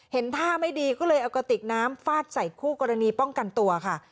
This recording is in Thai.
เห็นท่าไม่ดีก็เลยเอากระติกน้ำฟาดใส่คู่กรณีป้องกันตัวค่ะ